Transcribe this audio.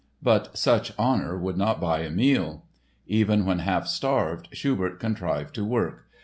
But such "honor" would not buy a meal. Even when half starved Schubert contrived to work.